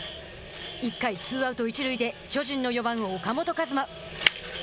１回ツーアウト、一塁で巨人の４番岡本和真。